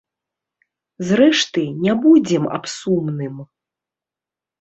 Зрэшты, не будзем аб сумным.